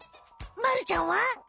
まるちゃんは。